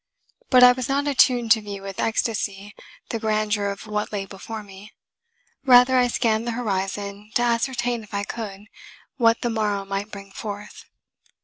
But I was not attuned to view with ecstasy the grandeur of what lay before me; rather I scanned the horizon to ascertain, if I could, what the morrow might bring forth.